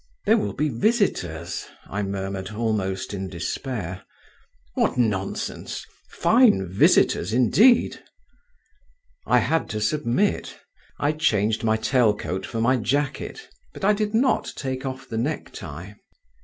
"There will be visitors," I murmured almost in despair. "What nonsense! fine visitors indeed!" I had to submit. I changed my tail coat for my jacket, but I did not take off the necktie.